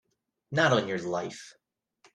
Not on your life!